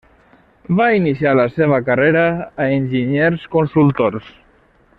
Va iniciar la seva carrera a Enginyers Consultors.